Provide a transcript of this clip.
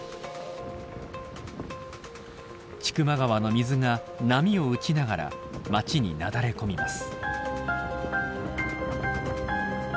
千曲川の水が波を打ちながら町になだれ込みます。